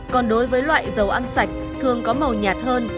còn đối với loại dầu ăn sạch thường có màu nhạt hơn